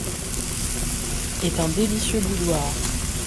est un délicieux boudoir.